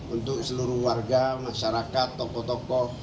untuk seluruh warga masyarakat tokoh tokoh